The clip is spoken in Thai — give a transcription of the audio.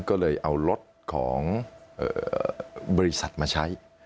ก็เลยเอารถของบริษัทมาใช้